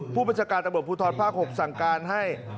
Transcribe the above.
ผู้บัญชาการตำรวจภูทรภาค๖สั่งการให้